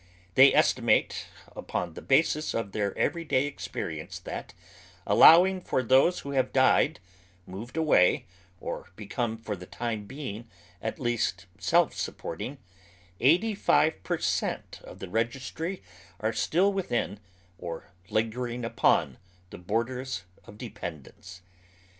They estimate upon the basis of their every day experience that, allowing for those who have died, moved away, or become for the time being at least self supporting, eighty five per cent, of the registry are still within, or lingering upon, the borders of depen dence.